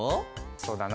そうだな。